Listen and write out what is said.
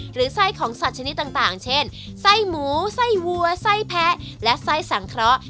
ไส้ของสัตว์ชนิดต่างเช่นไส้หมูไส้วัวไส้แพ้และไส้สังเคราะห์